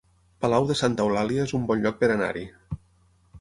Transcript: Palau de Santa Eulàlia es un bon lloc per anar-hi